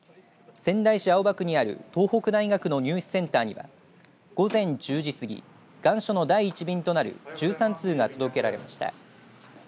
仙台市青葉区にある東北大学の入試センターには午前１０時過ぎ願書の第１便となる１３通が届けられました。